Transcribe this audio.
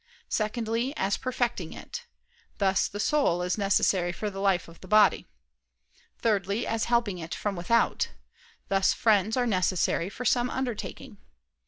Secondly, as perfecting it: thus the soul is necessary for the life of the body. Thirdly, as helping it from without: thus friends are necessary for some undertaking.